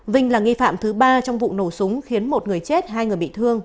vinh là nghi phạm thứ ba trong vụ nổ súng khiến một người chết hai người bị thương